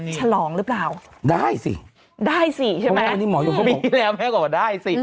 ฉลองรึเปล่าได้สิได้สิใช่ไหมพี่แล้วแม่ก็บอกว่าได้สิ